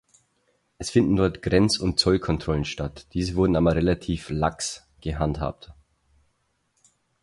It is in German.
Es finden dort Grenz- und Zollkontrollen statt, diese wurden aber relativ lax gehandhabt.